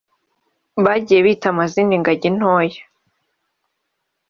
bagiye bita amazina ingangi ntoya